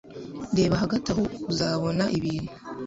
Reba hagati aho uzabona ibintu